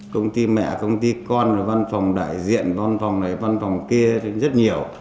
công ty mẹ công ty con rồi văn phòng đại diện văn phòng này văn phòng kia rất nhiều